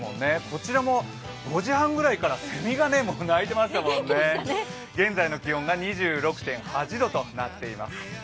こちらも５時半ぐらいからせみが鳴いてましたもんね、現在の気温が２６．８度となっています。